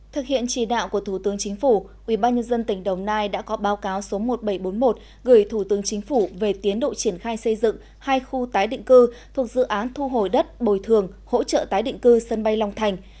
thực hiện chỉ đạo của thủ tướng chính phủ ubnd tỉnh đồng nai đã có báo cáo số một nghìn bảy trăm bốn mươi một gửi thủ tướng chính phủ về tiến độ triển khai xây dựng hai khu tái định cư thuộc dự án thu hồi đất bồi thường hỗ trợ tái định cư sân bay long thành